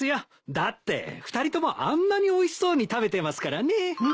だって２人ともあんなにおいしそうに食べてますからね。